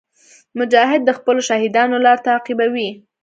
مجاهد د خپلو شهیدانو لار تعقیبوي.